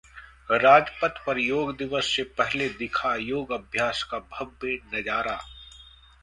राजपथ पर योग दिवस से पहले दिखा योग अभ्यास का भव्य नजारा